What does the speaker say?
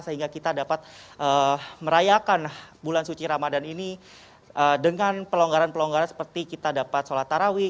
sehingga kita dapat merayakan bulan suci ramadan ini dengan pelonggaran pelonggaran seperti kita dapat sholat tarawih